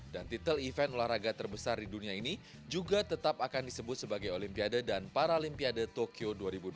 dan titel event olahraga terbesar di dunia ini juga tetap akan disebut sebagai olimpiade dan paralimpiade tokyo dua ribu dua puluh